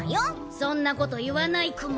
そんなこと言わないクマ。